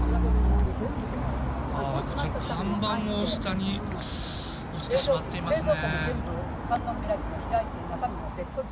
看板も下に落ちてしまっていますね。